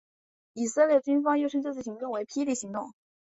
以色列军方又称这次行动为霹雳行动。